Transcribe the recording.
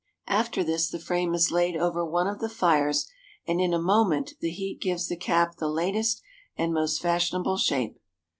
After this the frame is laid over one of the fires, and in a moment the heat gives the cap the latest and most fashionable shape.